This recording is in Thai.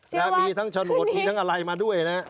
และมีทั้งฉนดมีทั้งอะไรมาด้วยนะครับ